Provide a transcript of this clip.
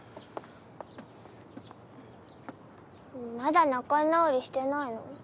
まだ仲直りしてないの？